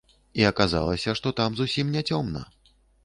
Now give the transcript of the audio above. І аказалася, што там зусім не цёмна!